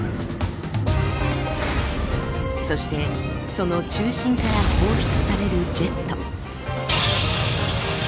そしてその中心から放出されるジェット。